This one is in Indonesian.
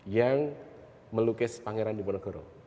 yang melukis pangeran diponegoro